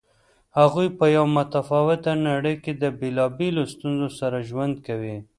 هغوی په یوه متفاوته نړۍ کې له بېلابېلو ستونزو سره ژوند کوي.